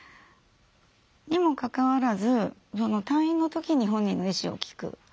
にもかかわらず退院のときに本人の意思を聞く。